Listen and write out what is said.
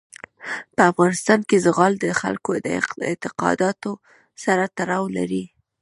په افغانستان کې زغال د خلکو د اعتقاداتو سره تړاو لري.